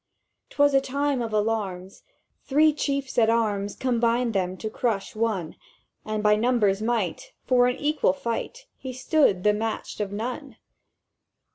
... "—'Twas a time of alarms. Three Chiefs at arms Combined them to crush One, And by numbers' might, for in equal fight He stood the matched of none.